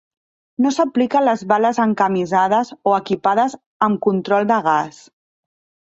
No s'aplica a les bales encamisades o equipades amb control de gas.